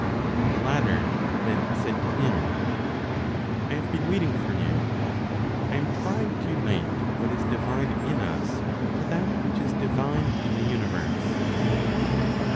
The latter then said to him, "I have been waiting for you; I am trying to unite what is divine in us to that which is divine in the universe."